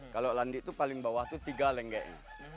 kalau landik tuh paling bawah tuh tiga lengeknya